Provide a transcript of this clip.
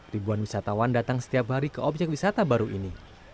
ribuan wisatawan datang setiap hari ke objek wisata baru ini